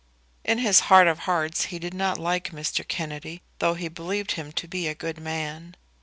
In his heart of hearts he did not like Mr. Kennedy, though he believed him to be a good man.